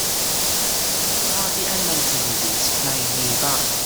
What are the animated movies playing nearby